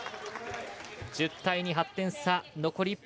１０対２、８点差。